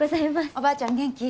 おばあちゃん元気？